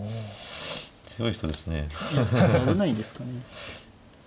いや危ないんですかね。